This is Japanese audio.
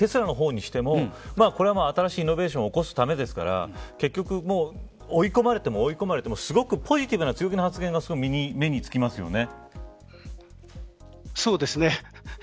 テスラの方にしてもこれは新しいイノベーションを起こすためですから結局、追い込まれても追い込まれてもすごくポジティブな強気な発言が目につきますよね。